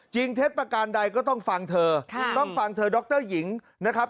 เท็จประการใดก็ต้องฟังเธอต้องฟังเธอดรหญิงนะครับ